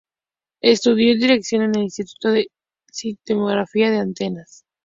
Estudió Dirección en el Instituto de Cinematografía de Atenas.